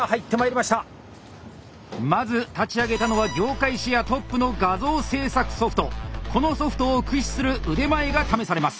まず立ち上げたのはこのソフトを駆使する腕前が試されます。